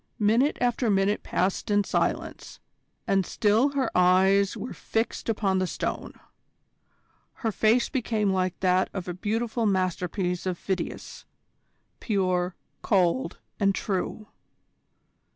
Minute after minute passed in silence, and still her eyes were fixed upon the Stone. Her face became like that of a beautiful masterpiece of Phidias: pure, cold, and true.